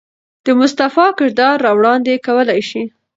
د مصطفى کردار را وړاندې کولے شي.